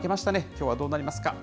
きょうはどうなりますか。